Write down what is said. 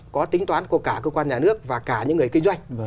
có tính toán của cả cơ quan nhà nước và cả những người kinh doanh